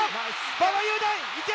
馬場雄大行け！